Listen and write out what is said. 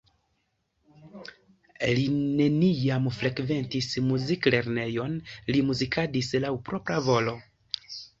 Li neniam frekventis muziklernejon, li muzikadis laŭ propra volo.